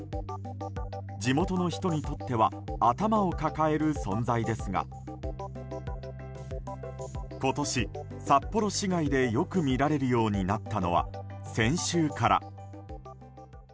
地元の人にとっては頭を抱える存在ですが今年、札幌市街でよく見られるようになったのは先週から。